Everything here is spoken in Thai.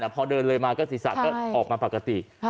พอเดินเลยมาก็ศีรษะก็ออกมาปกติ